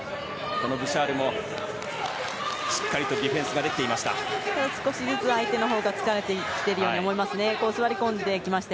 このブシャールもしっかりとディフェンスできていました。